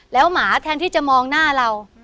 แล้วหมาแทนที่จะมองหน้าเรา